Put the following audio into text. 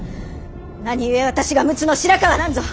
何故私が陸奥の白河なんぞ！